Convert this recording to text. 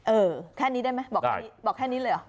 เออแค่นี้ได้ไหมบอกแค่นี้เลยเหรอ